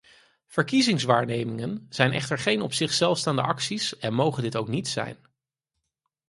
Verkiezingswaarnemingen zijn echter geen op zichzelf staande acties en mogen dit ook niet zijn.